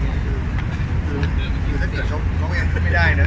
คือถ้าเกิดพวกเขายังชอบไม่ได้นะ